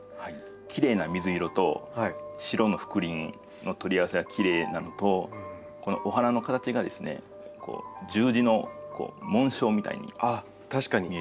きれいな水色と白の覆輪の取り合わせがきれいなのとこのお花の形が十字の紋章みたいに見えて。